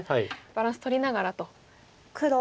バランスとりながらと。